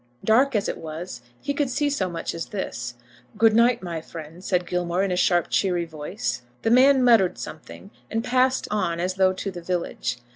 Dark as it was, he could see so much as this. "Good night, my friend," said Gilmore, in a sharp cheery voice. The man muttered something, and passed on as though to the village.